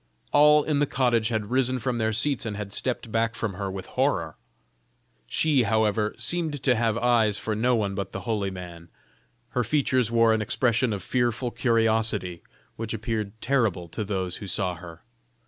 All in the cottage had risen from their seats and had stepped back from her with horror. She, however, seemed to have eyes for no one but the holy man; her features wore an expression of fearful curiosity, which appeared terrible to those who saw her.